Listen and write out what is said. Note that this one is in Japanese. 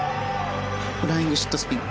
フライングシットスピン。